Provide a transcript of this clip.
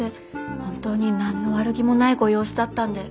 本当に何の悪気もないご様子だったんで。